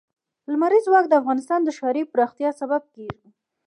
لمریز ځواک د افغانستان د ښاري پراختیا سبب کېږي.